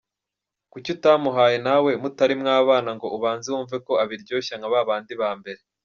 Kuki utamuhaye Nawe mutari mwabana ngo Ubanze wumve ko abiryoshya nka babandi ba mbere?.